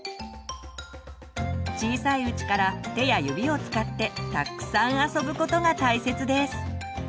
小さいうちから手や指を使ってたっくさん遊ぶことが大切です。